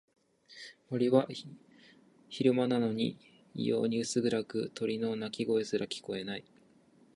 森は昼間なのに異様に薄暗く、鳥の鳴き声すら聞こえない。